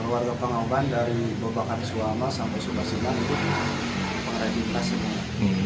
warga pengauban dari bobakan sulawesi sampai subasila itu penghargaan tas itu